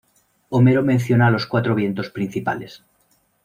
Homero menciona a los cuatro vientos principales.